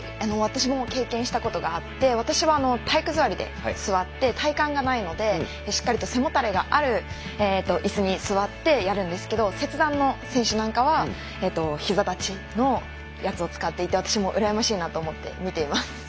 私も経験したことがあって私は体育座りで座って体幹がないのでしっかりと背もたれがあるいすに座ってやるんですけれど切断の選手なんかはひざ立ちのやつを使っていて私もうらやましいなと思って見ています。